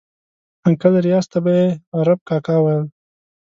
انکل ریاض ته یې په ي عرف کاکا ویل.